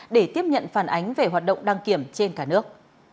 để tiếp nhận phản ánh về hoạt động đăng kiểm trên cả nước